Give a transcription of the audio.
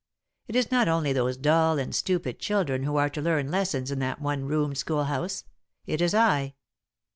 It is not only those dull and stupid children who are to learn lessons in that one roomed schoolhouse it is I.